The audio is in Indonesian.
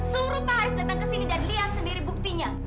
suruh pak haris datang ke sini dan lihat sendiri buktinya